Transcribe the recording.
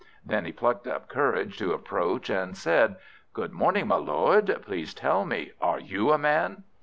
Then he plucked up courage to approach, and said "Good morning, my lord. Please will you tell me, are you a Man?"